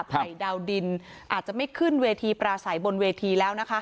ภัยดาวดินอาจจะไม่ขึ้นเวทีปราศัยบนเวทีแล้วนะคะ